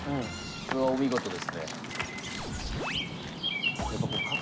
これはお見事ですね。